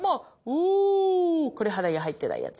ホーこれ鼻に入ってないやつ。